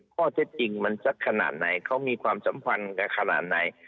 ข้อเท็จจริงมันสักขนาดไหนเขามีความสัมพันธ์ขนาดไหน